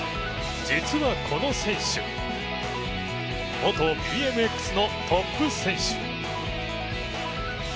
実はこの選手、元ＢＭＸのトップ選手。